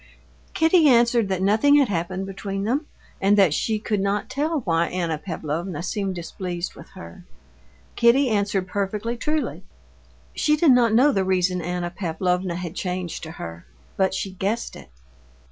Kitty answered that nothing had happened between them, and that she could not tell why Anna Pavlovna seemed displeased with her. Kitty answered perfectly truly. She did not know the reason Anna Pavlovna had changed to her, but she guessed it.